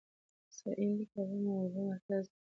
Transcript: سرعین د ګرمو اوبو مرکز دی.